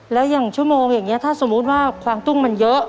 แล้วอย่างชั่วโมงอย่างนี้ถ้าสมมุติว่ากวางตุ้งมันเยอะ